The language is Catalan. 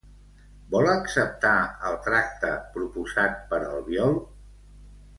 Vol acceptar el tracte proposat per Albiol?